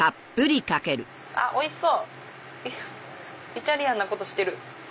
イタリアンなことしてる。